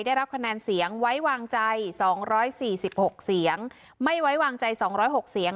ได้รับคะแนนเสียงไว้วางใจสองร้อยสี่สิบหกเสียงไม่ไว้วางใจสองร้อยหกเสียง